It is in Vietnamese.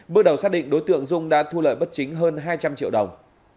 bước đầu xác định đối tượng dung đã thu lợi bất chính hơn hai trăm linh triệu đồng